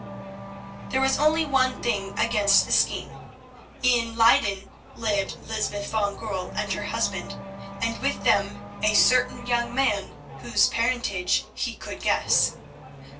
There was only one thing against the scheme. In Leyden lived Lysbeth van Goorl and her husband, and with them a certain young man whose parentage he could guess.